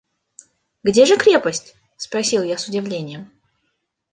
«Где же крепость?» – спросил я с удивлением.